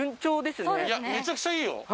めちゃくちゃいいよ。